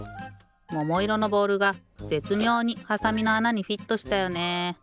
ももいろのボールがぜつみょうにはさみのあなにフィットしたよね。